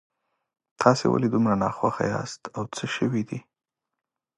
تاسو ولې دومره ناخوښه یاست او څه شوي دي